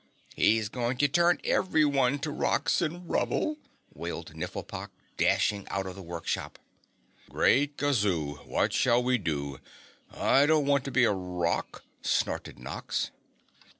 He's going to turn everyone to rocks and rubble!" wailed Nifflepok, dashing out of the workshop. "Great Gazoo, what shall we do? I don't want to be a rock," snorted Nox.